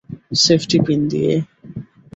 Safety pin দিয়ে।